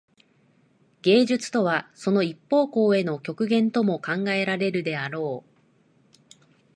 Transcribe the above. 芸術とはその一方向への極限とも考えられるであろう。